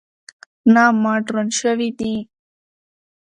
نه مډرن شوي دي.